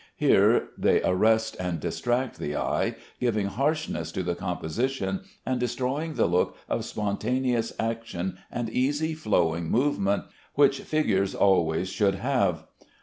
Here they arrest and distract the eye, giving harshness to the composition, and destroying the look of spontaneous action and easy flowing movement which figures always should have.